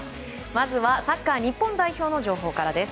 まずはサッカー日本代表の情報からです。